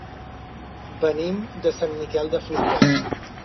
Venim de Sant Miquel de Fluvià.